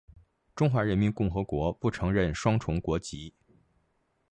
中华人民共和国不承认双重国籍。